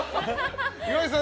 岩井さん